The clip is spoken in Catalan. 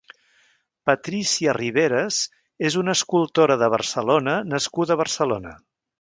Patrícia Riveras és una escultora de Barcelona nascuda a Barcelona.